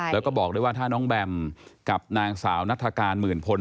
แล้วก็บอกด้วยว่าถ้าน้องแบมกับนางสาวนัฐกาลหมื่นพล